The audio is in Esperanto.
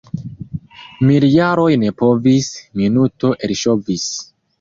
Miljaroj ne povis - minuto elŝovis.